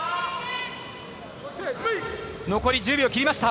残り１０秒を切りました。